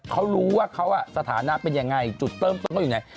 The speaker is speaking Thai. เขารู้ว่าเขาสถานะเป็นยังไงจุดเริ่มต้นเขาอยู่ไหน